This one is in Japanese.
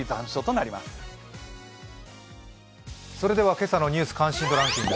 今朝の「ニュース関心度ランキング」。